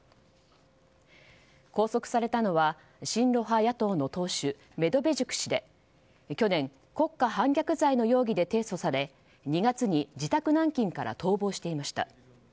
拘束されたのは親露派野党の党首メドベチュク氏で、去年国家反逆罪の容疑で提訴され２月に自宅軟禁から逃亡していました。